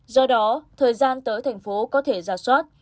do đó thời gian tới thành phố có thể giả soát